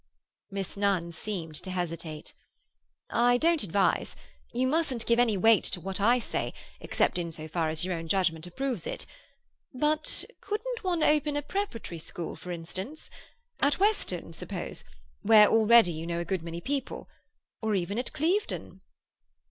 Miss Nunn seemed to hesitate. "I don't advise. You mustn't give any weight to what I say, except in so far as your own judgment approves it. But couldn't one open a preparatory school, for instance? At Weston, suppose, where already you know a good many people. Or even at Clevedon."